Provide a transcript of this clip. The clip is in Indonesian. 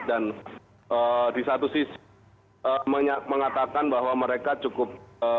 dan di satu sisi mengatakan bahwa mereka cukup